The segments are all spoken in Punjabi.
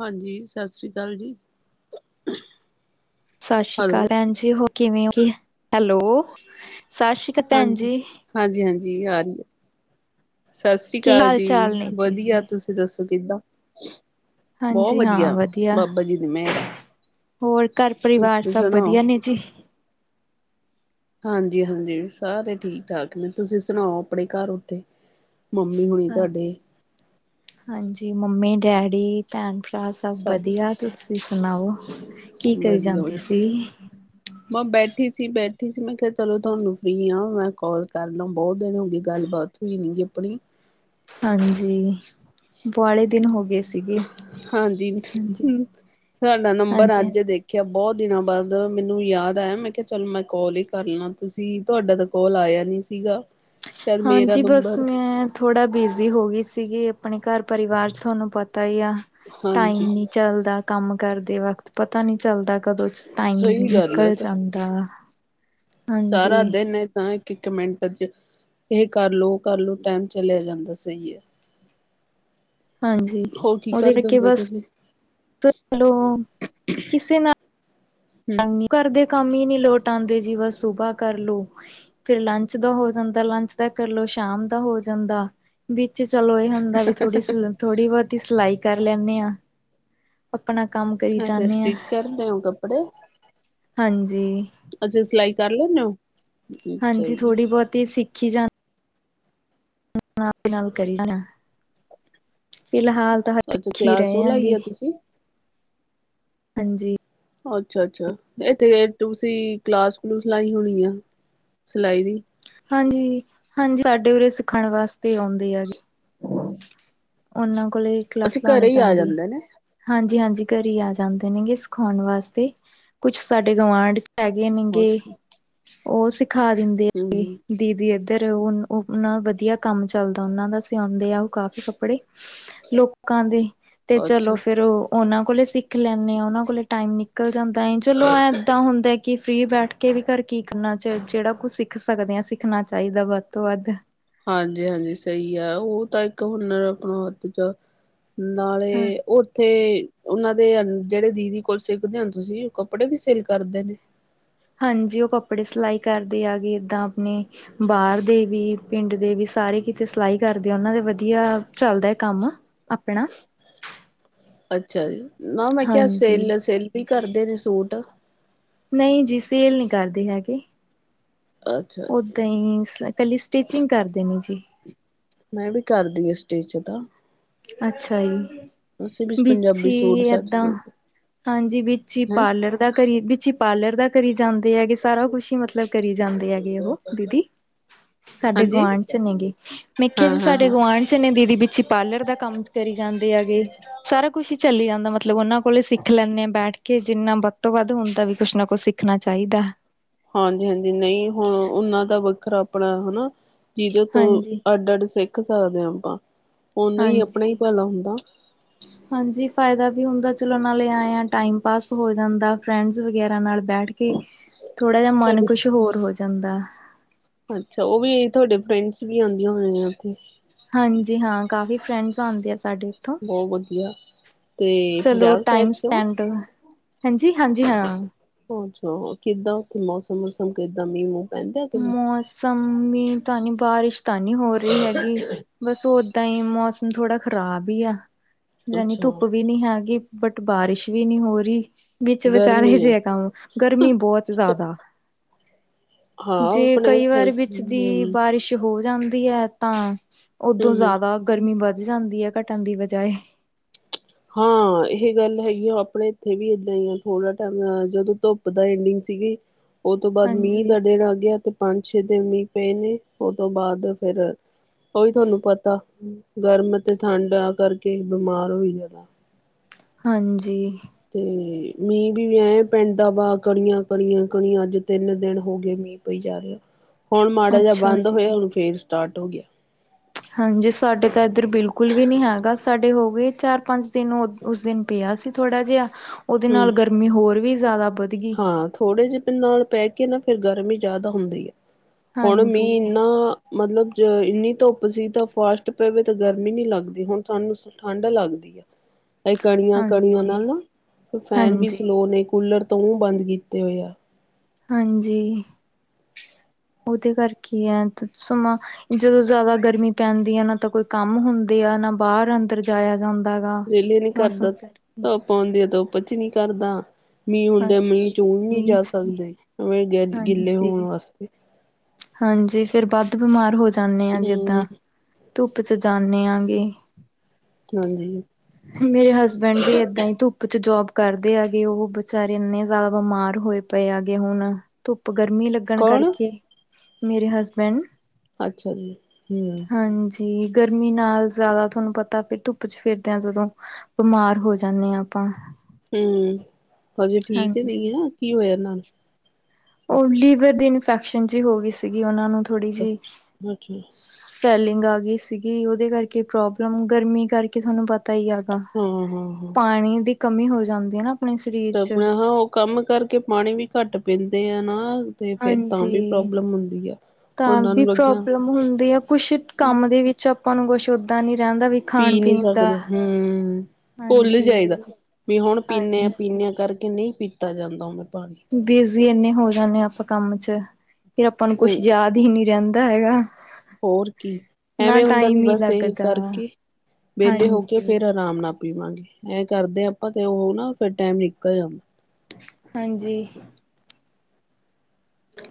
ਹਾਂਜੀ ਸਤਿ ਸ਼੍ਰੀ ਅਕਾਲ ਜੀ। ਸਾਸ਼ੀ ਕਾਲ ਹੈਲੋ ਭੈਣ ਜ ਹੋ ਕਿਵੇਂ ਹੋਗੇ? ਹੈਲੋ ਸਾਸ਼ੀ ਹਾਂਜੀ, ਹਾਂਜੀ-ਹਾਂਜੀ ਆ ਰਹੀ ਏ। ਕੀ ਸਾਸਰੀਕਾਲ ਹਾਲ ਜੀ, ਚਾਲ ਨੇ ਜੀ ਵਧੀਆ ਤੁਸੀਂ ਦੱਸੋ ਕਿੱਦਾਂ? ਬੋਹ ਹਾਂਜੀ ਹਾਂ ਵਧੀਆ, ਬਾਬਾ ਜੀ ਦੀ ਮੇਰ ਆ। ਹੋਰ ਘਰ ਪਰਿਵਾਰ ਤੁਸੀਂ ਸਭ ਸੁਣਾਓ ਵਧੀਆ ਨੇ ਜੀ? ਹਾਂਜੀ-ਹਾਂਜੀ ਸਾਰੇ ਠੀਕ ਠਾਕ ਨੇ, ਤੁਸੀਂ ਸੁਣਾਓ ਆਪਣੇ ਕਾਰ ਔਥੇ? ਮੰਮੀ ਹਣੀ ਹਾਂ ਤੁਹਾਡੇ ਹਾਂਜੀ ਮੰਮੀ ਡੈਡੀ ਭੈਣ ਭਰਾ ਸਭ ਸਾਰੇ ਵਧੀਆ ਤਸੀ ਤੁਸੀ ਸੁਣਾਓੋ? ਵਧੀਆ ਵਧੀ ਮੈਂ ਬੈਠੀ ਸੀ। ਬੈਠੀ ਸੀ। ਮੈਂ ਕਿਹਾ ਚਲੋ ਤੁਹਾਨੂੰ ਫ੍ਰਰੀ ਹਾਂ ਮੈਂ ਕਾਲ ਕਰ ਲਾਂ ਬਹੁਤ ਦਿਨ ਹੋ ਗਈ ਗੱਲਬਾਤ ਤੁ ਨੀ ਜੇ ਆਪਣੀ ਹਾਂਜੀ ਵਾਲਆਲੇ ਦਿਨ ਹੋ ਗਏ ਸੀਗੇ ਹਾਂਜੀ ਸਾਡਾ ਨੰਬਰ ਹਾਂਜੀ ਹਾਂਜੀ ਅੱਜ ਦੇ ਖਿਆ ਬਹੁਤ ਦਿਨਾਂ ਬਾਅਦ ਮੈਨੂੰ ਯਾਦ ਆਇਆ। ਮੈਂ ਕਿਹਾ ਚਲ ਮੈਂ ਕਾਲ ਹੀ ਕਰ ਲਾਂ ਤੁਸੀਂ ਤੁਹਾਡਾ ਤਾਂ ਕੋਲ ਆਇਆ ਨੀ ਸੀਗਾ ਸ਼ਾਇਦ ਮੇਰਾ ਹਾਂਜੀ ਬਸ ਨੰਬਰ ਮੈਂ ਥੋੜਾ ਬਿਜ਼ੀ ਹੋ ਗਈ। ਸੀਗੀ ਆਪਣੇ ਘਰ ਪਰਿਵਾਰ ਚ ਤੁਹਾਨੂੰ ਪਤਾ ਹੀ ਆ ਹਾਂਜੀ ਟਾਈਮ ਨੀ ਚਲਦਾ ਕੰਮ ਕਰਦੇ ਵਕਤ ਪਤਾ ਨੀ ਚੱਲਦਾ ਕਦੋਂ ਟਾਈਮ ਸਹੀ ਗੱਲ ਹੈ ਨਿਕਲ ਤਾਂ ਜਾਂਦਾ ਹਾਂਜੀ ਸਾਰਾ ਦਿਨ ਇਹ ਤਾਂ ਇੱਕ ਮਿੰਟ ਚ ਇਹ ਕਰ ਲਓ ਕਰ ਲਓ ਟਾਈਮ ਚਲਿਆ ਜਾਂਦਾ ਸਹੀ ਹੈ। [unintelligible] ਹਾਂਜੀ ਹੋਰ ਕੀ ਉਹਦੇ ਕਰਦੇ ਕਰਕੇ ਹੁੰਦੇ ਹੋ ਬਸ ਤੁਸੀਂ ਚਲੋ ਕਿਸੇ ਨਾਲ ਹੂੰ ਘਰ ਦੇ ਕੰਮ ਹੀ ਨੀ ਲੋਟ ਆਉਂਦੇ ਜੀ ਬਸ ਸੁਬਾਹ ਕਰਲੋ ਫਿਰ ਲੰਚ ਦਾ ਹੋ ਜਾਂਦਾ। ਲੰਚ ਦਾ ਕਰਲਓ ਸ਼ਾਮ ਦਾ ਹੋ ਜਾਂਦਾ। ਵਿੱਚ ਚਲੋ ਇਹ ਹੁੰਦਾ ਵੀ ਥੋੜੀ ਸ ਥੋੜ੍ਹੀ ਬਹੁਤੀ ਸਿਲਾਈ ਕਰ ਲੈਂਦੇ ਹਾਂ। ਆਪਣਾ ਕੰਮ ਕਰੀ ਅੱਛਾ ਜਾਂਦੇ ਹਾਂ ਸਟਿਚ ਕਰਦੇ ਹੋ [unintelligible] ਹਾਂਜੀ। ਅੱਛਾ ਸਿਲਾਈ ਕਰ ਲੈਂਦੇ ਹੋ? ਅੱਛਾ ਹਾਂਜੀ, ਜੀ ਥੋੜ੍ਹੀ ਬਹੁਤੀ ਸਿੱਖੀ ਜਾਂਦੀ- ਨਾਲ -ਨਾਲ ਕਰੀਦਾ, ਫਿਲਹਾਲ- ਤਾਂ ਅੱਛਾ ਸਿੱਖੀ ਕਲਾਸ ਉਹ ਰਹੇ ਲਾਈ ਆਗੇ। ਆ ਤੁਸੀਂ ਹਾਂਜੀ- ਅੱਛਾ -ਅੱਛਾ, ਇੱਥੇ ਤੁਸੀਂ ਕਲਾਸ ਕਲੂਸ ਲਾਈ ਹੋਣੀ ਆ, ਸਿਲਾਈ ਦੀ? ਹਾਂਜੀ, ਹਾਂਜੀ ਸਾਡੇ ਉਰੇ ਸਿੱਖਣ ਵਾਸਤੇ ਔਂਦੇ ਹੈਗੇ। ਹਮ [inaudible] ਔਨ੍ਹਾ ਕੋਲ ਏ ਕਲਾਸ ਲਾਣੀ ਹੀ ਆ ਪੈਂਦੀ। ਜਾਂਦੇ ਨੇ ਹਾਂਜੀ-ਹਾਂਜੀ ਘਰੇ ਈ ਆ ਜਾਂਦੇ ਨੇਗੇ ਸਿਖਾਉਣ ਵਾਸਤੇ, ਕੁਛ ਸਾਡੇ ਗਵਾਂਢ ਹੈਗੇ ਨੀਂ ਗੇ, ਓਕੇ, ਔਹ ਸਿਖਾ ਦਿੰਦੇ ਹੂੰ ਹੈਗੇ। ਹੂੰ, ਦੀਦੀ ਏਧਰ ਏ, ਉਹ ਨ ਉਹ ਨਾ ਵਧੀਆ ਕੰਮ ਚੱਲਦਾ ਔਹਨਾਂ ਦਾ, ਸਿਆਉਂਦੇ ਐ ਉਹ ਕਾਫੀ ਕੱਪੜੇ। ਲੋਕਾਂ ਦੇ ਤੇ ਚਲੋ ਅੱਛਾ ਫੇਰ ਉਹ ਉਹਨਾਂ ਕੋਲੇ ਸਿੱਖ ਲੈਂਦੇ ਆ ਉਹਨਾਂ ਕੋਲੇ ਟਾਈਮ ਨਿਕਲ ਜਾਂਦਾ। ਤਾਂ ਹੀ ਚਲੋ ਐਂ ਇੱਦਾਂ ਹੁੰਦਾ ਕਿ ਫਰੀ ਬੈਠ ਵੀ ਘਰ ਕੀ ਕਰਨਾ ਚ ਜਿਹੜਾ ਕੁਛ ਸਿੱਖ ਸਕਦੇ ਆ ਸਿੱਖਣਾ ਚਾਹੀਦਾ ਵੱਧ ਤੋਂ ਵੱਧ ਹਾਂਜੀ ਹਾਂਜੀ ਸਹੀ ਹੈ। ਉਹ ਤਾਂ ਇੱਕ ਹੁਨਰ ਆਪਣਾ ਹੱਥ 'ਚ ਹਾਂ ਨਾਲੇ ਉੱਥੇ ਉਹ ਦੇ ਜਿਹੜੇ ਦੀਦੀ ਕੋਲ ਸਿੱਖਦੇ ਹੋ ਤੁਸੀਂ ਕੱਪੜੇ ਵੀ ਸੇਲ ਕਰਦੇ ਨੇ ਹਾਂਜੀ, ਓ ਕੱਪੜੇ ਸਿਲਾਈ ਕਰਦੀ ਆ ਏਦਾਂ ਆਪਣੀ ਬਾਹਰ ਦੇ ਵੀ, ਪਿੰਡ ਦੇ ਵੀ, ਸਾਰੇ ਕਿਤੇ ਸਿਲਾਈ ਕਰਦੇ ਆ, ਉਹਨਾਂ ਦਾ ਵਧੀਆ ਚੱਲਦਾ ਹੈ ਕੰਮ। ਆਪਣਾ ਅੱਛਾ ਜੀ, ਨਾ ਮੈਂ ਕਿਹਾ ਹਾਂਜੀ ਸੇਲ -ਸੇਲ ਵੀ ਕਰਦੇ ਨੇ ਸੂਟ? ਨਹੀਂ ਜੀ, ਸੇਲ ਨਹੀਂ ਕਰਦੇ ਹੈਗੇ। ਅੱਛਾ ਜੀ ਓਦਾਂ ਹੀ, ਇਕੱਲੀ ਸਟਿਚਿੰਗ ਕਰਦੇ ਨੇ ਜੀ। ਮੈਂ ਵੀ ਕਰਦੀ ਹਾਂ ਸਟੀਚ ਦਾ। ਅੱਛਾ ਜੀ। ਵੀ ਵਿੱਚ ਪੰਜਾਬੀ ਈ ਸੂਟ ਸਟ ਏਦਾਂ, ਹੈਂ ਹਾਂਜੀ ਵਿੱਚ ਈ ਪਾਰਲਰ ਦਾ ਕਰੀ ਬਿੱਚ ਈ ਪਾਰਲਰ ਦਾ ਕਰੀ ਜਾਂਦੇ ਹੈਗੇ, ਸਾਰਾ ਕੁਛ ਹੀ ਮਤਲਬ ਕਰੀ ਜਾਂਦੇ ਹੈਗੇ ਉਹ ਹੋ, ਦੀਦੀ। ਸਾਡੇ ਹਾਂਜੀ ਗੁਆਂਢ ਚ ਨੇ ਗੇ, ਮੈਂ ਕੇਆ ਜੀ ਸਾਡੇ ਹਾਂ-ਹਾਂ-ਹਾਂ ਗੁਆਂਢ ਚ ਨੇ ਦੀਦੀ ਬਿੱਚ ਪਾਰਲਰ ਦਾ ਕੰਮ ਕਰੀ ਜਾਂਦੇ ਹੈਗੇ, ਸਾਰਾ ਕੁਛ ਹੀ ਚੱਲੀ ਜਾਂਦਾ ਮਤਲਬ ਉਹਨਾਂ ਕੋਲੇ ਸਿੱਖ ਲੈਂਣੇ ਆ ਬੈਠ ਕੇ ਜਿੰਨਾ ਵੱਧ ਤੋਂ ਵੱਧ ਹੁੰਦਾ ਵੀ ਕੁਛ ਨਾ ਕੁਛ ਸਿੱਖਣਾ ਚਾਹੀਦਾ। ਹਾਂਜੀ-ਹਾਂਜੀ ਨਈ ਹੁਣ ਔਨ੍ਹਾਂ ਦਾ ਵੱਖਰਾ ਅਪਣਾ ਹਨਾ? ਜਿਅਦੇ ਤੋਂ ਹਾਂਜੀ ਅੱਡ-ਅੱਡ ਸਿੱਖ ਸਕਦੇ ਹਾਂ ਅਪਾਂ, ਔਨਾਂ ਈ ਅਪਣਾ ਈ ਹਾਂਜੀ ਭਲਾ ਹੁੰਦਾ। ਹ [inaudible] ਹਾਂਜੀ ਫ਼ਾਇਦਾ ਵੀ ਹੁੰਦਾ, ਚਲੋ ਨਾਲੇ ਆਏ ਆ ਟਾਈਮ ਪਾਸ ਹੋ ਜਾਂਦਾ ਫਰੈਂਡਸ ਵਗੈਰਾ ਨਾਲ ਬੈਠ ਕੇ ਥੋੜਾ ਜਹਾ ਮਨ ਤੁਹਾਡੇ ਕੁਛ ਹੋਰ ਹੋ ਜਾਂਦਾ। ਅੱਛਾ ਉਹ ਵੀ ਤੁਹਾਡੇ ਫਰੈਂਡਸ ਵੀ ਆਉਂਦੀਆਂ ਹੋਨਿਆਂ ਨੇ ਔਥੇ। ਹਾਂਜੀ ਹਾਂ ਕਾਫ਼ੀ ਫਰੈਂਡਸ ਆਂਦੀ ਸਾਡੇ ਏਥੋਂ, ਬਹੁਤ ਵਧੀਆ ਤੇ ਚਲੋ ਪੰਜਾਬ ਟਾਈਮ ਸਾਈਡ ਚੋਂ ਸਪੈਂਡ। ਹੈਂਜੀ ਹਾਂਜੀ ਹਾਂ। ਹੋਰ ਸੁਣਾਓ, ਕਿੱਦਾਂ ਔਥੇ ਮੌਸਮ ਮੂਸਮ ਕਿੱਦਾਂ ਮੀਂਹ ਮੁਹ? ਮੌਸਮ ਮੀਂਹ ਤਾਂ ਨਈ, ਬਾਰਿਸ਼ ਤਾਂ ਨੀ ਹੋ ਰਈ ਹੈਗੀ। ਬਸ ਔਦਾਂ ਹੀ, ਮੌਸਮ ਥੋੜਾ ਖ਼ਰਾਬ ਹੀ ਆ, ਜਾਨੀ ਅੱਛਾ ਧੁੱਪ ਧੂਪ ਵੀ ਨਹੀਂ ਹੈਗੀ ਬਟ ਬਾਰਿਸ਼ ਵੀ ਨਹੀਂ ਹੋ ਰਹੀ, ਵਿੱਚ ਗਰਮੀ ਵਿਚਾਲੇ ਆ ਜਿਹਾ ਕੰਮ। ਗਰਮੀ ਬਹੁਤ ਜ਼ਿਆਦਾ। ਹਾਂ ਜੇ ਆਪਣੇ ਕਈ ਵਾਰ ਵਿੱਚ ਦੀ ਹੂੰ-ਹੂੰ ਬਾਰਿਸ਼, ਹੋ ਜਾਂਦੀ ਹੈ ਤਾਂ ਓਦੋਂ ਜ਼ਿਆਦਾ ਗਰਮੀ ਵੱਧ ਜਾਂਦੀ ਹੈ ਘਟਣ ਦੀ ਬਜਾਏ। ਹਾਂ, ਇਹ ਗੱਲ ਹੈਗੀ ਆ ਆਪਣੇ ਇੱਥੇ ਵੀ ਏਦਾਂ ਹੀ ਆ ਥੋੜਾ ਟਾਈਮ ਜਦੋਂ ਧੋਪ ਐਡਿਗ ਸੀਗੀ, ਉਹ ਤੋਂ ਬਾਅਦ ਮੀਂਹ ਹਾਂਜੀ ਦਾ ਦਿਨ ਆ ਗਿਆ ਤੇ ਪੰਜ ਛੇ ਦਿਨ ਮੀਂਹ ਪਏ ਨੇ ਉਹ ਤੋਂ ਬਾਅਦ ਫਿਰ। ਉਹੀ ਤੁਹਾਨੂੰ ਪਤਾ, ਗਰਮ ਅਤੇ ਠੰਡ ਆ ਕਰਕੇ ਬਿਮਾਰ ਹੋਈ ਜਾਂਦਾ। ਹਾਂਜੀ। ਤੇ ਮੀਂਹ ਵੀ ਐ ਪੈਦਾ ਵਾ ਕਣੀਆਂ ਕੜੀਆਂ ਕਣੀਆਂ ਅੱਜ ਤਿੰਨ ਦਿਨ ਹੋ ਗਏ ਮੀਂਹ ਹੋਈ ਜਾ ਰਿਹਾ ਹੁਣ ਮਾੜਾ ਜਿਹਾ ਅੱਛਾ ਬੰਦ ਹੋਇਆ ਜੀ ਹੁੰਨ ਫੇਰ ਸਟਾਰਟ ਹੋ ਗਿਆ। ਹਾਂਜੀ ਸਾਡੇ ਤਾਂ ਇੱਧਰ ਬਿਲਕੁਲ ਵੀ ਨਹੀਂ ਹੈਗਾ, ਸਾਡੇ ਹੋ ਗਏ ਚਾਰ ਪੰਜ ਦਿਨ ਉਸ ਦਿਨ ਪਿਆ ਸੀ ਥੋੜਾ ਜਿਹਾ, ਉਹਦੇ ਨਾਲ ਹੂੰ ਗਰਮੀ ਹੋਰ ਵੀ ਜ਼ਿਆਦਾ ਵਧਗੀ ਹਾਂ, ਥੋੜ੍ਹੇ ਜਿਹੇ ਨਾਲ ਪਹਿ ਕੇ ਨਾ ਫਿਰ ਗਰਮੀ ਜ਼ਿਆਦਾ ਹੁੰਦੀ ਆ। ਹੁਣ ਮੀਂਹ ਹਾਂਜੀ ਇੰਨਾ ਮਤਲਬ ਜ ਇੰਨੀ ਧੁੱਪ ਸੀ ਤਾਂ ਫਾਸਟ ਪੈਵੇ ਤੇ ਗਰਮੀ ਨੀ ਲੱਗਦੀ ਹੁਣ ਸਾਨੂੰ ਠੰਢ ਲੱਗਦੀ ਆ। ਕਣੀਆਂ, ਕਣੀਆਂ ਹਾਂਜੀ ਨਾਲ ਨਾ ਫੈਨ ਵੀ ਹਾਂਜੀ ਸਲੋਅ ਨੇ ਕੂਲਰ ਤੋਂ ਬੰਦ ਕੀਤੇ ਹੋਏ ਆ। ਹਾਂਜੀ, ਉਹਦੇ ਕਰਕੇ ਹੈ ਸਮਾਂ। ਜਦੋਂ ਜ਼ਿਆਦਾ ਗਰਮੀ ਪੈਂਦੀ ਆ ਨਾ ਤਾਂ ਕੋਈ ਕੰਮ ਹੁੰਦੇ ਆ ਨਾ ਬਾਹਰ ਅੰਦਰ ਜਾਾਇਆ ਜਾਂਦਾ ਹੈਗਾ, ਵਿਹਲੇ ਨੀ ਕਰਦਾ ਮੌਸਮ ਫਿਰ। ਧੁੱਪ ਹੁੰਦੀ ਆ ਧੁੱਪ 'ਚ ਨੀ ਕਰਦਾ, ਮੀਂਹ ਹੁੰਦੇ ਮੀਂਹ ਚੂੰ ਹਾਂਜੀ ਨਹੀਂ‌ ਮੀਂਹ ਜਾ ਚ ਸਕਦੇ ਗਿੱਲੇ ਹੋਣ ਹਾਂਜੀ ਵਾਸਤੇ। ਹਾਂਜੀ, ਫਿਰ ਵੱਧ ਬਿਮਾਰ ਹੋ ਜਾਂਦੇ ਆ ਜਿੱਦਾਂ। ਹਮ ਧੁੱਪ ਚ ਜਾਂਨਦੇ ਹੈਗੇ। ਹਾਂਜੀ। ਮੇਰੇ ਹਸਬੈਂਡ ਵੀ ਏਦਾਂ ਹੀ ਧੁੱਪ 'ਚ ਜੋਬ ਕਰਦੇ ਹੈਗੇ ਉਹ ਬਚਾਰੇ ਇੰਨੇ ਜ਼ਿਆਦਾ ਬਿਮਾਰ ਹੋਏ ਪਏ ਆਗੇ, ਹੁਣ ਧੁੱਪ ਗਰਮੀ ਲੱਗਣ ਕੌਣ ਕਰਕੇ ਮੇਰੇ ਹਸਬੈਂਡ ਅੱਛਾ ਜੀ, ਹਮ। ਜੀ ਗਰਮੀ ਨਾਲ ਜ਼ਿਆਦਾ ਤੁਹਾਨੂੰ ਪਤਾ ਫਿਰ ਧੁੱਪ 'ਚ ਫਿਰਨਾ। ਜਦੋਂ ਬਿਮਾਰ ਹੋ ਜਾਂਦੇ ਹਾਂ ਆਪਾਂ। ਹਮ, ਹਜੇ ਠੀਕ ਹਾਂਜੀ ਨਹੀਂ ਆ ਕੀ ਹੋਇਆ ੳਹਨਾ ਨੂੰ ਉਹ ਲੀਵਰ ਦੀ ਇਨਫੈਕਸ਼ਨ ਜਿ ਹੋ ਗਈ ਸੀਗੀ, ਉਹਨਾਂ ਨੂੰ ਥੋੜ੍ਹੀ ਜਿਹੀ ਸੀ। ਅੱਛਾ ਸਵੇਲਿੰਗ ਆ ਗਈ ਸੀਗੀ, ਉਹਦੇ ਕਰਕੇ ਪ੍ਰੋਬਲਮ ਗਰਮੀ ਕਰਕੇ ਤੁਹਾਨੂੰ ਪਤਾ ਪਤਾ ਹੀ ਹੈਗਾ, ਹਾਂ ਹਾਂ ਹਾਂ ਪਾਣੀ ਦੀ ਕਮੀ ਹੋ ਜਾਂਦੀ ਹੈ ਨਾ। ਆਪਣੇ ਸਰੀਰ ਚ ਆਪਣਾ ਹਾਂ ਉਹ ਕੰਮ ਕਰਕੇ ਪਾਣੀ ਵੀ ਘੱਟ ਪੀਂਦੇ ਆ ਨਾ। ਤੇ ਫੇਰ ਤਾਂ ਵੀ ਹਾਂਜੀ, ਪ੍ਰੋਬਲਮ ਹੁੰਦੀ ਆ ਤਾਂ ਉਹਨਾਂ ਵੀ ਨੂੰ ਲੱਗਿਆ ਪ੍ਰੋਬਲਮ ਹੁੰਦੀ ਆ, ਕੁਛ ਕੰਮ ਦੇ ਵਿੱਚ ਚ ਆਪਾਂ ਨੂੰ ਕੁਛ ਓਦਾਂ ਨੀ ਰਹਿੰਦਾ ਵੀ ਪੀ ਖਾਣ ਨਹੀਂ ਪੀਣ ਦਾ ਸਕਦੇ ਹਮ, ਪੁਲ ਹੀ ਜਾਇਦਾ। ਹਾਂਜੀ ਵੀ ਹੁਣ ਪੀਂਨੇ ਆ ਹਾਂਜੀ ਪੀਂਨੇਂ ਕਰਕੇ ਨਹੀਂ ਪੀਤਾ ਜਾਂਦਾ ਹੁਣ ਪਾਣੀ। ਬਿਜੀ ਇੰਨੇ ਹੋ ਜਾਂਦੇ ਆਾਂ ਆਪਾਂ ਕੰਮ 'ਚ, ਫਿਰ ਆਪਾਂ ਨੂੰ ਕੁਛ ਤੇ ਯਾਦ ਹੀ ਨੀ ਰਹਿੰਦਾ ਹੈਗਾ। ਹੋਰ ਕੀ, ਨਾ ਐਵੇਂ ਹੁੰਦਾ ਵੀ ਟਾਈਮ ਹੀ ਬਸ ਇਹ ਲੱਗਦਾ ਕਰਕੇ ਵਿਹਲੇ ਹੋ ਕੇ ਹਾਂਜੀ ਫੇਰ ਆਰਾਮ ਨਾਲ ਪੀਵਾਂਗੇ, ਐ ਕਰਦੇ ਆਪਾਂ ਤੇ ਉਹ ਨਾ ਫਿਰ ਟਾਈਮ ਨਿਕਲ ਜਾਂਦਾ। ਹਾਂਜੀ।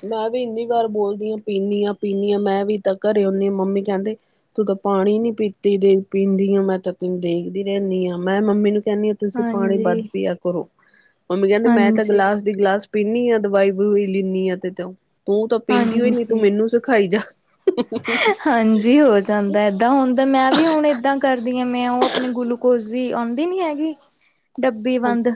ਮੈਂ ਵੀ ਇੰਨੀ ਵਾਰ ਬੋਲਦੀ ਹਾਂ ਪੀਂਨੀ ਹਾਂ, ਪੀਂਨੀ ਹਾਂ, ਮੈਂ ਵੀ ਤਾਂ ਘਰੇ ਆਉਦੀ ਹਾਂ ਮੰਮੀ ਕਹਿੰਦੇ ਤੂੰ ਤਾਂ ਪਾਣੀ ਨੀ ਪੀਤੀ ਦੇ ਪੀਂਦੀ ਆ, ਮੈਂ ਤਾਂ ਤੈਨੂੰ ਦੇਖਦੀ ਰਹਿੰਦੀ ਹਾਂ ਮੈਂ ਮੰਮੀ ਨੂੰ ਕਹਿੰਦੀ ਹਾ ਤੁਸੀਂ ਪਾਣੀ ਹਾਂਜੀ ਵੱਧ ਪਿਆ ਕਰੋ, ਮੰਮੀ ਕਹਿੰਦੇ ਮੈਂ ਤਾਂ ਹਾਂਜੀ ਗਿਲਾਸ ਦੀ ਗਲਾਸ ਪੀਂਨੀ ਆ ਦਵਾਈ ਦਵਈ ਲੈਂਦੀ ਆ, ਤੇ ਤ ਤੂੰ ਤਾਂ ਪੀਂਦੀ ਹੋਈ ਨੀ ਤੂੰ ਹਾਂਜੀ ਮੈਨੂੰ ਸਿਖਾਈ ਜਾ [inaudible] ਹੀ ਹੀ ਹਾਂਜੀ ਹੋਰ। ਜਾਂਦਾ ਏਦਾਂ ਹੁਣਦਾ ਮੈਂ ਵੀ ਹੁਣ ਏਦਾਂ ਕਰਦੀ ਹਾਂ, ਮੈਂ ਉਹ ਆਪਣੀ ਗਲੂਕੋਜ ਦੀ ਆਂਦੀ ਨੀ ਹੈਗੀ। [inaudible] ਡੱਬੀ ਹਾਂ ਬੰਦ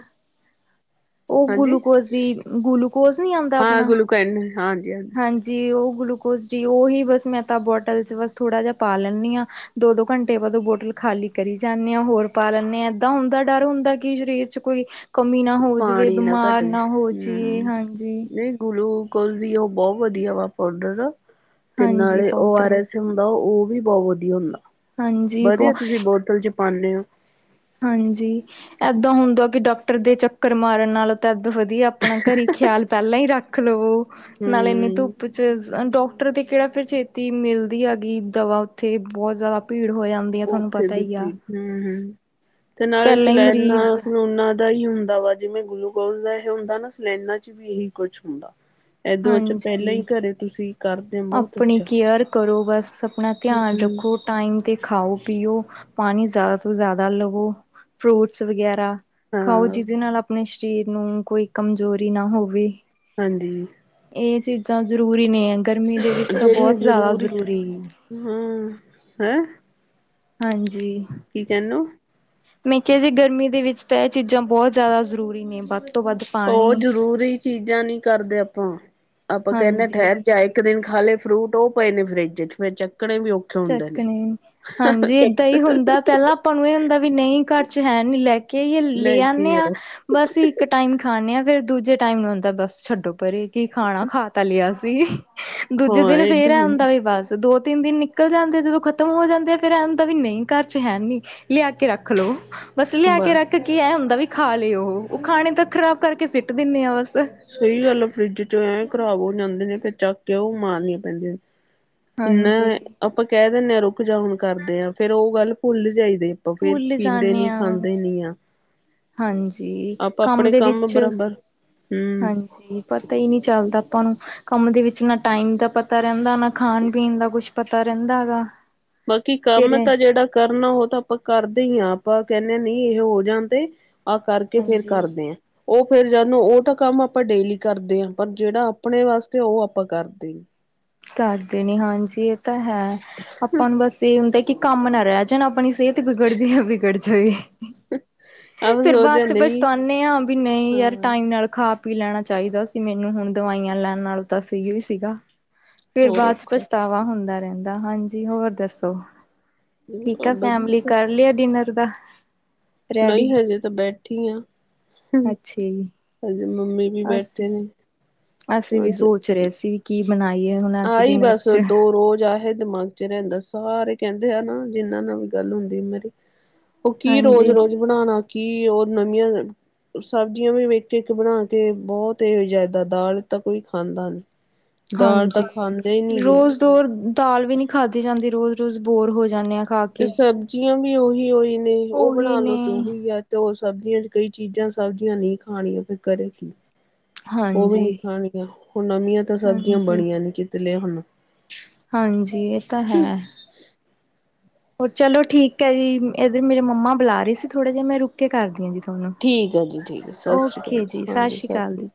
ਉਹ ਹਾਂਜੀ ਗਲੂਕੋਜ, ਈ ਗਲੂਕੋਜ ਨੀ ਆਂਦਾ ਹਾਂ ਆਪਣਾ ਗਲੂਕੈਨ ਹਾਂਜੀ ਹਾਂਜੀ। ਜੀ ਉਹ ਗਲੂਕੋਸ ਡੀ ਉਹਹੀ ਬਸ ਮੈਂ ਤਾਂ ਬੋਟਲ 'ਚ ਬਸ ਥੋੜ੍ਹਾ ਜਿਹਾ ਪਾ ਲੈਂਦੀ ਹਾਂ। ਦੋ, ਦੋ ਘੰਟੇ ਬਾਅਦ ਉਹ ਬੋਟਲ ਖਾਲੀ ਕਰੀ ਜਾਂਦੇ ਆ ਹੋਰ। ਪਾ ਲੈਂਦੇ ਹਾਂ, ਏਦਾਂ ਹੁੰਦਾ ਡਰ ਹੁੰਦਾ ਕਿ ਸਰੀਰ ਚ ਕੋਈ ਕਮੀ ਨਾ ਹੋਵੇ। ਜਿਵੇਂ ਪਾਣੀ ਬਿਮਾਰ ਘੱਟ ਨਾ ਹੋ ਜੇ ਜਾਈਏ ਹੂੰ। ਹਾਂਜੀ। ਨਹੀਂ ਗਲੂਕੋਜ ਦੀ ਉਹ ਬਹੁਤ ਵਧੀਆ ਵਾ ਪੋ ਡਰ ਤੇ ਹਾਂਜੀ ਨਾਲੇ ਓ ਆਰ ਪਾਊਡਰ ਐਸ ਹੁੰਦਾ ਉਹ ਵੀ ਬੋਤ ਵਧੀਆ ਹੁੰਦਾ ਹਾਂਜੀ ਵਧੀਆ ਬਹੁ ਤੁਸੀਂ ਬੋਤਲ ਚ ਪਾਂਦੇ ਹੋ। ਹਾਂਜੀ, ਏਦਾਂ ਹੁੰਦਾਂ ਆ ਕਿ ਡਾਕਟਰ ਦੇ ਚੱਕਰ ਮਾਰਨ ਨਾਲ। ਤਦ ਵਧੀਆ ਆਪਣਾ ਘਰੀ ਖਿਆਲ ਪਹਿਲਾਂ ਹੀ ਰੱਖ ਲਵੋ ਨਾਲੇ ਇੰਨੀ ਹੂੰ। ਧੁੱਪ। ਡੋਕਟਰ ਦੀ ਕਿਹੜਾ ਫਿਰ ਛੇਤੀਂ ਮਿਲਦੀ ਹੈਗੀ ਦਵਾ ਉੱਥੇ ਬੋਤ ਜਾਦਾ ਭੀੜ ਹੋ ਜਾਂਦੀ। ਆ ਥੋਨੂੰ ਪਤਾ ਹੀ ਆ। ਹਮ ਹਮ ਤੇ ਨਾਲੇ ਪਹਿਲਾਂ ਹੀ ਸਲੈਨਾ ਮਰੀਜ਼ ਸਲੋਨਾ ਦਾ ਹੀ ਹੁੰਦਾ ਵਾਂ। ਜਿਵੇਂ ਗਲੂਕੋਜ ਦਾ ਇਹ ਹੁੰਦਾ ਨਾ ਸਲੈਨਾਂ ਚ ਵੀ ਇਹੀ ਕੁਛ ਹੁੰਦਾ। ਇਦੋ ਵਿੱਚ ਪਹਿਲਾਂ ਹੀ ਹਾਂਜੀ ਘਰੇ ਤੁਸੀਂ। ਕਰਦੇ ਹੋ ਬਹੁਤ ਆਪਣੀ ਅੱਛਾ। ਕੇਅਰ ਕਰੋ ਬਸ ਆਪਣਾ ਧਿਆਨ ਹੂੰ ਰੱਖੋ। ਟਾਈਮ 'ਤੇ ਖਾਓ ਪੀਓ ਪਾਣੀ ਜ਼ਿਆਦਾ ਤੋਂ ਜ਼ਿਆਦਾ ਲਵੋ ਫਰੂਟਸ ਵਗੈਰਾ ਖਾਓ ਹਾਂ ਜਿਦੇ ਨਾਲ ਆਪਣੇ ਸਰੀਰ ਨੂੰ ਕੋਈ ਕਮਜ਼ੋਰੀ ਨਾ ਹੋਵੇ। ਹਾਂਜੀ। ਇਹ ਚੀਜ਼ਾਂ ਜ਼ਰੂਰੀ ਨੇ, ਹੈ ਗਰਮੀ ਦੇ ਵਿੱਚ ਤਾਂ ਬੋਤ ਜ਼ਿਆਦਾ ਜ਼ਰੂਰੀ ਹੂੰ ਹੈਂ। ਹਾਂਜੀ। ਕੀ ਕਹਨੇ ਓ ਮੈਂ ਕਿਹਾ ਜੀ ਗਰਮੀ ਦੇ ਵਿੱਚ ਤਾਂ ਇਹ ਚੀਜ਼ਾਂ ਬੋਤ ਜ਼ਿਆਦਾ ਜ਼ਰੂਰੀ ਨੇ ਬਾਕੀ ਉਹ ਜ਼ਰੂਰੀ ਚੀਜ਼ਾਂ ਨੀ ਕਰਦੇ ਆਪਾਂ, ਆਪਾਂ ਕਹਿੰਦੇ ਹਾਂਜੀ ਠੈਰ ਜਾਏ। ਇੱਕ ਦਿਨ ਖਾਲੇ ਫਰੂਟ ਉਹ ਪਏ ਨੇ ਫਰਿੱਜ ਚ ਮੈਂ ਚੱਕਣੇ ਵੀ ਓ ਚੱਕਣੇ ਹਾਂਜੀ ਏਦਾਂ ਹੀ ਹੁੰਦਾ ਪੈਲਾਂ ਆਪਾਂ ਨੂੰ ਇਹ ਹੁੰਦਾ ਵੀ ਨਹੀਂ ਘਰ ਚ ਹੈ ਨੀ ਲੈ ਕੇ ਆਈ। ਲੈ ਕੇ ਆਣੇ ਆਂ। ਆਓ ਬਸ ਇੱਕ ਟਾਈਮ ਖਾਣੇ ਆ ਫੇਰ ਦੂਜੇ ਟਾਈਮ ਹੁੰਦਾ ਬਸ ਛੱਡੋ ਪਰੇ ਕਿ ਖਾਣਾ ਖਾ ਤਾਂ ਲਿਆ ਸੀ। ਦੂਜੇ ਹਾਂ ਦਿਨ ਫੇਰ ਏਦਾਂ ਹੁੰਦਾ ਵੀ ਬਸ ਦੋ ਤਿੰਨ ਦਿਨ ਨਿਕਲ ਜਾਂਦੇ ਆ ਜਦੋਂ ਖ਼ਤਮ ਹੋ ਜਾਂਦੇ ਆ। ਫੇਰ ਇਹਦਾ ਵੀ ਨਹੀਂ ਘਰ ਚ ਹੈ ਨੀ ਲਿਆ ਕੇ ਰੱਖ ਲੋ। ਬਸ ਲਿਆ ਕੇ ਰੱਖ ਕੇ ਐ ਹੁੰਦਾ ਵੀ ਖਾ ਲਏ ਉਹ ਖਾਣੇ ਤਾਂ ਖ਼ਰਾਬ ਕਰਕੇ ਸਿੱਟ ਦਿੰਦੇ ਆ ਬਸ। ਸਹੀ ਗੱਲ ਫਰਿੱਜ ਚ ਐ ਖਰਾਬ ਹੋ ਜਾਂਦੇ ਨੇ ਤੇ ਚੱਕ ਕੇ ਉਹ ਮਾਰਨੀਆਂ ਪੈਂਦੀਆਂ ਨੇ। ਇੰਨਾ ਹਾਂਜੀ ਆਪਾਂ ਕਹਿ ਦਿੰਦੇ ਹਾਂ ਰੁਕ ਜਾ ਹੁਣ ਕਰਦੇ ਹਾਂ ਫੇਰ ਉਹ ਗੱਲ ਭੁੱਲ ਜਾਈਦੇ। ਫੇਰ ਭੁੱਲ ਪੀਂਦੇ ਜਾਂਨੇ ਨੀ ਆ ਖਾਂਦੇ ਨੀ ਆ। ਹਾਂਜੀ, ਆਪਾਂ ਕੰਮ ਆਪਣੇ ਦੇ ਵਿੱਚ ਬਰਾਬਰ ਹਮ ਹਾਂਜੀ। ਪਤਾ ਹੀ ਨਹੀਂ ਚੱਲਦਾ ਆਪਾਂ ਨੂੰ ਕੰਮ ਦੇ ਵਿੱਚ ਨਾ ਟਾਈਮ ਦਾ ਪਤਾ ਰਹਿੰਦਾ ਨਾ ਖਾਣ ਪੀਣ ਦਾ ਕੁਛ। ਪਤਾ ਰਹਿੰਦਾ ਹੈਗਾ। ਬਾਕੀ ਫਿਰ ਕੰਮ ਤਾਂ ਜਿਹੜਾ ਕਰਨਾ ਉਹ ਤਾਂ ਆਪਾਂ ਕਰਦੇ ਹੀ, ਹਾਂ ਆਪਾਂ ਕੈਂਦੇ ਹਾਂ ਨਹੀਂ ਇਹ ਹੋ ਜਾਂਣਦੇ। ਆਹ ਕਰਕੇ ਫੇਰ ਹਾਂਜੀ ਕਰਦੇ ਹਾਂ ਉਹ ਫਿਰ ਜਾਣੋ ਉਹ ਤਾਂ ਕੰਮ ਆਪਾਂ ਡੇਲੀ ਕਰਦੇ ਹਾਂ ਪਰ ਜਿਹੜਾ ਆਪਣੇ ਵਾਸਤੇ ਉਹ ਆਪਾਂ ਕਰਦੇ ਨੀ। ਕਰਦੇ ਨੇ, ਹਾਂਜੀ ਇਹ ਤਾਂ ਹੈ ਆਪਾਂ ਨੂੰ ਬਸ ਇਹ ਹੁੰਦਾ ਕਿ ਕੰਮ ਨਾ ਰਹਿ ਜਾਣਾ ਆਪਣੀ ਸਿਹਤ। ਬਿਗੜਦੀ ਆਾਂ ਵਿਗੜ ਜੇ ਆਪਾਂ ਫੇਰ ਸੋਚਦੇ ਬਾਅਦ ਹਾਂ ਚਂ ਨਹੀਂ ਪਛਤਾਨੇ ਹਾਂ ਵੀ ਨਹੀਂ ਯਾਰ ਹਾਂ ਟਾਈਮ ਨਾਲ ਖਾ। ਪੀ ਲੈਣਾ ਚਾਹੀਦਾ ਸੀ ਮੈਨੂੰ ਹੁਣ ਦਵਾਈਆਂ ਲੈਣ ਨਾਲੋਂ ਤਾਂ ਸੀ ਵੀ ਸੀਗਾ। ਫਿਰ ਹੋਰ ਬਾਅਦ ਵਿੱਚ ਔਖਾ ਪਛਤਾਵਾਂ ਹੁੰਦਾ ਰਹਿੰਦਾ, ਹਾਂਜੀ ਹੋਰ ਦੱਸੋ। ਠੀਕ ਆ ਫੈਮਲੀ ਵਧੀਆ ਕਰ ਲਿਆ ਡਿਨਰ ਦਾ। ਨਹੀਂ ਰੈਡੀ ਹਜੇ ਤਾਂ ਬੈਠੀ ਹਾਂ। ਅੱਛਾ ਜੀ ਅਜੇ ਮੰਮੀ ਵੀ ਅਸੀਂ ਬੈਠੇ ਨੇ। ਅਸੀਂ ਵੀ ਸੋਚ ਰਹੇ ਸੀ ਕੀ ਬਣਾਈਏ ਹੁਣ। ਅੱਜ ਆਹੀਂ ਡਿਨਰ ਬਸ ਚ ਦੋ ਰੋਜ਼ ਆਹੇ ਦਿਮਾਗ, ਰਹਿੰਦਾ ਸਾਰੇ ਕਹਿੰਦੇ ਆ ਨਾ ਜਿਹਨਾਂ ਨਾਲ ਵੀ ਗੱਲ ਹੁੰਦੀ ਮੇਰੀ ਉਹ ਕੀ ਰੋਜ਼ ਹਾਂਜੀ ਰੋਜ਼। ਬਣਾਉਣਾ ਕੀ ਉਹ ਨਵੀਆਂ। ਸਬਜ਼ੀਆਂ ਵੀ ਵੇਖ ਇੱਕ ਬਣਾ ਕੇ ਬਹੁਤ ਇਹ ਹੋ ਜਾਂਦਾ ਦਾਲ ਤਾਂ ਕੋਈ ਖਾਂਦਾ ਨੀ। ਦਾਲ ਤਾਂ। ਖਾਂਦੇ ਹੀ ਨੀ ਗੇ। ਰੋਜ਼ ਰੋਜ਼ ਦਾਲ ਵੀ ਨੀ ਖਾਧੀ ਜਾਂਦੀ ਰੋਜ਼ ਰੋਜ਼ ਬੋਰ ਹੋ ਜਾਂਦੇ ਆ ਖਾ ਕੇ। ਤੇ ਸਬਜ਼ੀਆਂ ਵੀ ਉਹੀ ਉਹੀ ਨੇ ਉਹ ਉਹੀ ਬਣਾ ਲਉ ਨੇ ਜੋ ਵੀ ਅੱਜ। ਤੇ ਉਹ ਸਬਜ਼ੀਆਂ 'ਚ ਕਈ ਚੀਜ਼ਾਂ ਸਬਜ਼ੀਆਂ ਨਹੀਂ ਖਾਣੀਆਂ ਫੇਰ ਕਰੇ ਕੀ। ਉਹ ਵੀ ਨੀ ਹਾਂਜੀ ਖਾਣਗੀਆਂ ਹੁਣ ਨਵੀਆਂ ਤਾਂ ਸਬਜ਼ੀਆਂ ਹਾਂਜੀ ਬਣੀਆਂ ਨੀ ਕਿਤੇ ਲੈ ਹੁਣ। ਹਾਂਜੀ ਇਹ ਤਾਂ ਹੈ। ਹੋਰ ਚਲੋ ਠੀਕ ਹੈ ਜੀ ਇੱਧਰ ਮੇਰੇ ਮੰਮਾ ਬੁਲਾ ਰਹੀ ਸੀ ਥੋੜਾ ਜਿਹਾ ਮੈਂ ਰੁਕ ਕੇ ਕਰਦੀ ਹਾਂ ਜੀ। ਠੀਕ ਆ ਜੀ ਠੀਕ ਆ ਸਤਿ ਸ਼੍ਰੀ ਓਕੇ ਅਕਾਲ ਜੀ, ਸਤਿ ਹਾਂਜੀ ਸ੍ਰੀ ਅਕਾਲ ਸ਼੍ਰੀ ਜੀ।